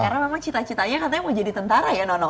karena memang cita citanya katanya mau jadi tentara ya nono